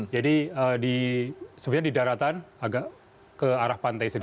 jadi sebenarnya di daratan agak ke arah pantai sini